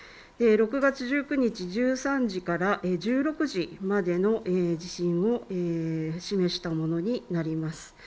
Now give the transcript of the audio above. ６月１９日１３時から１６時までの地震を示したものになります。